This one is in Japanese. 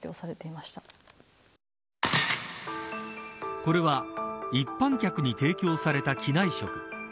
これは一般客に提供された機内食。